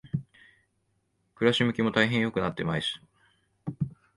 暮し向きも大変良くなっていました。